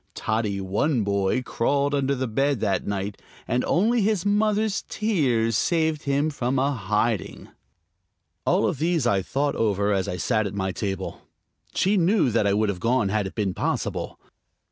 Toddy One Boy crawled under the bed that night, and only his mother's tears saved him from a hiding. All these I thought over as I sat at my table. She knew that I would have gone had it been possible.